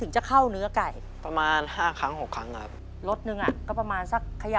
ชีสนะเนี่ย